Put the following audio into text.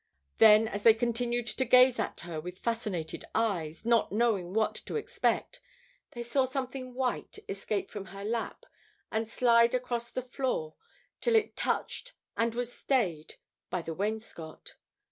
Then, as they continued to gaze at with fascinated eyes, not knowing what to expect, they saw something white escape from her lap and slide across the floor till it touched and was stayed by the wainscot.